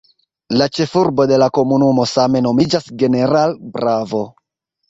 La ĉefurbo de la komunumo same nomiĝas "General Bravo".